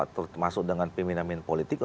termasuk dengan peminat peminat politik